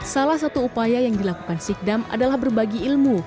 salah satu upaya yang dilakukan sikdam adalah berbagi ilmu